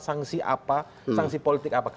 sanksi apa sanksi politik apa